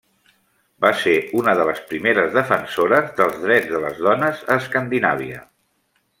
Va ser una de les primeres defensores dels drets de les dones a Escandinàvia.